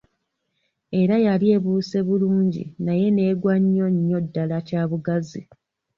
Era yali ebuuse bulungi naye n'egwa nnyo nnyo ddala kyabugazi.